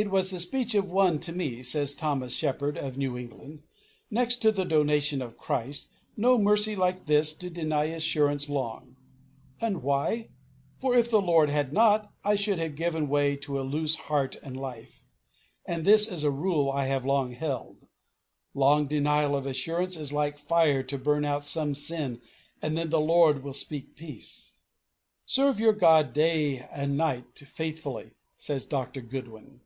"It was the speech of one to me," says Thomas Shepard of New England, "next to the donation of Christ, no mercy like this, to deny assurance long; and why? For if the Lord had not, I should have given way to a loose heart and life. And this is a rule I have long held long denial of assurance is like fire to burn out some sin and then the Lord will speak peace." "Serve your God day and night faithfully," says Dr. Goodwin.